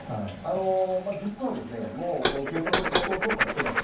実はもう警察は相当、捜査をしています。